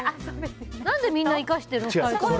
何でみんな生かしてるの？